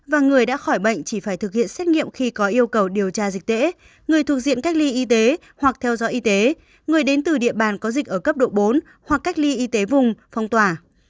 và người đã khỏi bệnh chỉ phải thực hiện xét nghiệm khi có yêu cầu điều tra dịch tễ người thuộc diện cách ly y tế hoặc theo dõi y tế người đến từ địa bàn có dịch ở cấp độ bốn hoặc cách ly y tế vùng phong tỏa